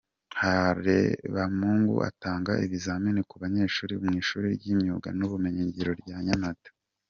Harebamungu atanga ibizamini ku banyeshuri mu ishuri ry’Imyuga n’Ubumenyingiro rya Nyamata.